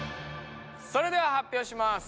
それでは発表します。